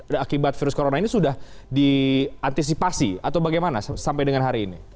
akibat virus corona ini sudah diantisipasi atau bagaimana sampai dengan hari ini